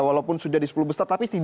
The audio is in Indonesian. walaupun sudah di sepuluh besar tapi